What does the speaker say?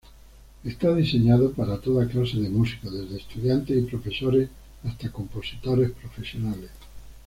Está diseñado para toda clase de músicos, desde estudiantes y profesores hasta compositores profesionales.